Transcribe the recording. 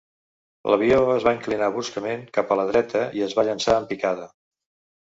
L'avió es va inclinar bruscament cap a la dreta i es va llançar en picada.